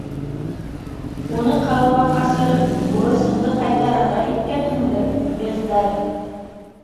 Уны ҡалаға ҡасырып, бурысыңды ҡайтарырға иткәнһеңдер, бездарь!